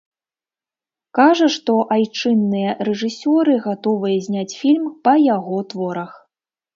Кажа, што айчынныя рэжысёры гатовыя зняць фільм па яго творах.